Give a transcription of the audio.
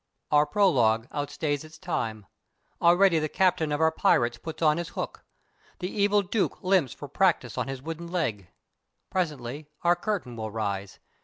_ _Our prologue outstays its time. Already the captain of our pirates puts on his hook. The evil Duke limps for practice on his wooden leg. Presently our curtain will rise.